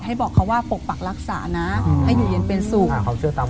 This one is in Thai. บอกเขาว่าปกปักรักษานะให้อยู่เย็นเป็นสุข